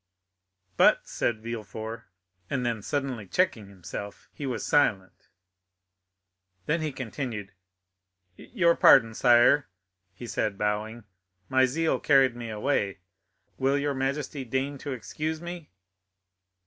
"But——" said Villefort, and then suddenly checking himself, he was silent; then he continued, "Your pardon, sire," he said, bowing, "my zeal carried me away. Will your majesty deign to excuse me?"